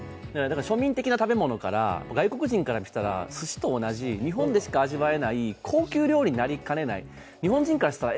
庶民的な食べ物から、外国人からしたらすしと同じ、日本でしか味わえない高級料理になりかねない、日本人からしたら